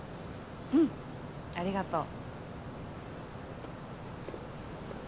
うんありがとう。